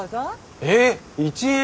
えっ１円？